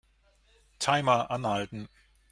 Timer anhalten.